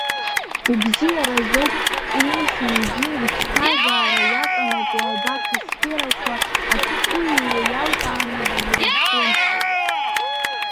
Убриазоуп, Клим Самгин иԥсҭазаара иаҵанакуа абарҭ асферақәа ашәҟәыҩҩы иалкааны дызрызҿлымҳау.